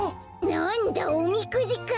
なんだおみくじか！